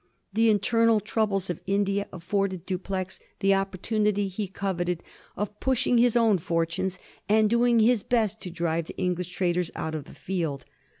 The internal troubles of India afforded Dupleix the opportunity he coveted of pushing his own fortunes, and doing his best to drive the English trad ers out of the field.